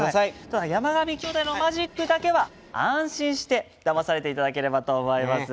ただ山上兄弟のマジックだけは安心してだまされていただければと思います。